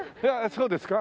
そうですか？